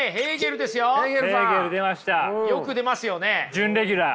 準レギュラー。